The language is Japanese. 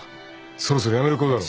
そろそろ辞めるころだろ。